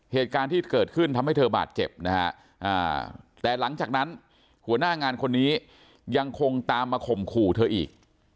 เหตุการณ์ที่เกิดขึ้นทำให้เธอบาดเจ็บนะฮะแต่หลังจากนั้นหัวหน้างานคนนี้ยังคงตามมาข่มขู่เธออีก